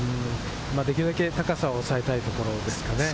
できるだけ高さを抑えたいところですね。